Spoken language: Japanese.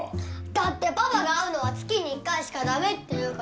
だってパパが会うのは月に１回しか駄目って言うから。